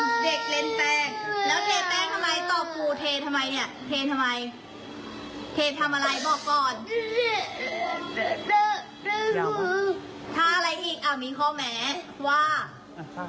น้องน้องกลัวอย่าไปแจ้งตำรวจดีกว่าเด็ก